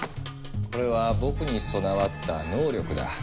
これは僕に備わった「能力」だ。